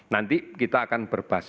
nanti kita akan berbasis